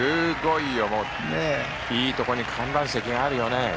いいところに観覧席があるよね